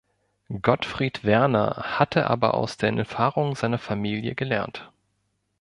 Gottfried Werner hatte aber aus den Erfahrungen seiner Familie gelernt.